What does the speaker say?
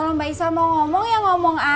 kalau mbak isah mau ngomong ya ngomong aja